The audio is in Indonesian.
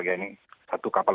ini satu kapal